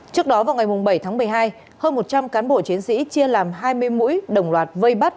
trước đó vào ngày bảy tháng một mươi hai hơn một trăm linh cán bộ chiến sĩ chia làm hai mươi mũi đồng loạt vây bắt